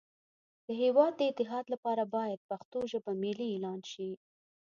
د هیواد د اتحاد لپاره باید پښتو ژبه ملی اعلان شی